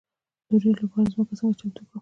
د وریجو لپاره ځمکه څنګه چمتو کړم؟